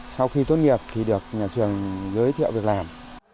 sau khi tốt nghiệp thì được nhà trường giới thiệu việc làm